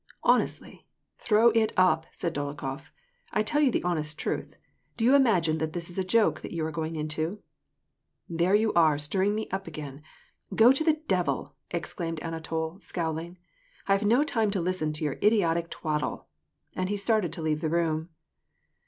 " Honestly I Throw it up !" said Dolokhof. " Til tell you the honest truth. Do you imagine that this is a joke that you are going into ?"" There you are stirring me up again. Go to the devil," exclaimed Anatol, scowling :" I have no time to listen to your idiotic twaddle !" And he started to leave the room.